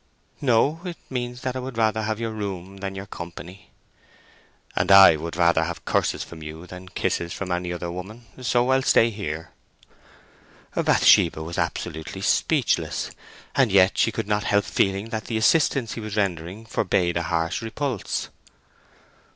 "No. It means that I would rather have your room than your company." "And I would rather have curses from you than kisses from any other woman; so I'll stay here." Bathsheba was absolutely speechless. And yet she could not help feeling that the assistance he was rendering forbade a harsh repulse.